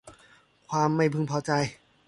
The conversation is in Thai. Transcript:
ความไม่พึงพอใจ